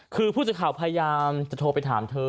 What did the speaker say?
คือผู้สื่อข่าวพยายามจะโทรไปถามเธอ